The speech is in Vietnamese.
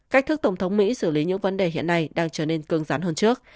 cách thức tổng thống mỹ xử lý những vấn đề hiện nay đang trở nên cương rắn hơn trước